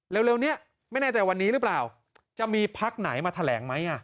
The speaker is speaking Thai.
เร็วนี้ไม่แน่ใจวันนี้หรือเปล่าจะมีพักไหนมาแถลงไหม